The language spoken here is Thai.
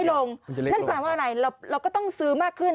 นั่นแปลว่าอะไรเราก็ต้องซื้อมากขึ้น